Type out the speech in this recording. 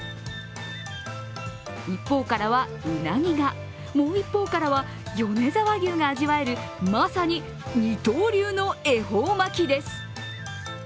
一方からは、うなぎがもう一方からは米沢牛が味わえるまさに二刀流の恵方巻きです。